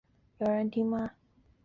世仆制起源于封建社会的蓄奴制。